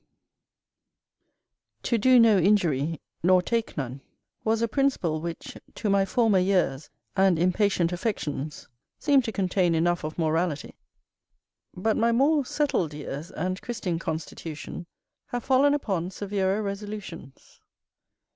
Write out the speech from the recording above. _ 7. "To do no injury nor take none" was a principle which, to my former years and impatient affections, seemed to contain enough of morality, but my more settled years, and Christian constitution, have fallen upon severer resolutions.